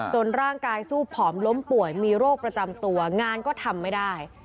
ร่างกายสู้ผอมล้มป่วยมีโรคประจำตัวงานก็ทำไม่ได้